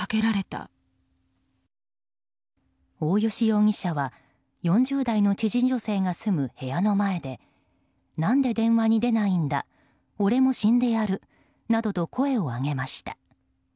大吉容疑者は４０代の知人女性が住む部屋の前で何で電話に出ないんだ俺も死んでやるなどと声を上げました。